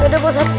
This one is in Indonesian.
kedar kedar kedar